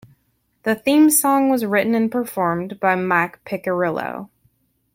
The theme song was written and performed by Mike Piccirillo.